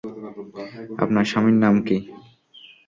আপনার স্বামীর নাম কি?